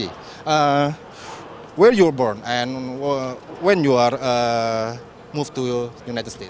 di mana awak lahir dan ketika awak berubah ke amerika serikat